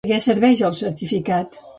Per a què serveix el certificat?